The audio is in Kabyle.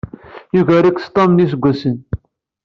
Yugar-ik s tam n yiseggasen.